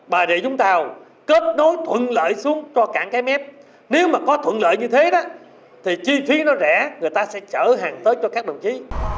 và để chúng ta kết nối thuận lợi xuống cho cảng cái mép nếu mà có thuận lợi như thế đó thì chi phí nó rẻ người ta sẽ chở hàng tới cho các đồng chí